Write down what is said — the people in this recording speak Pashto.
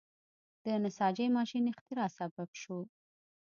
د نساجۍ ماشین اختراع سبب شو.